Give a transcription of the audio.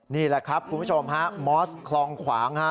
นี่แหละครับคุณผู้ชมฮะมอสคลองขวางฮะ